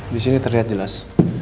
di sini terlihat jelas